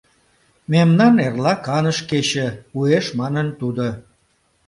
— Мемнан эрла каныш кече, — уэш манын тудо.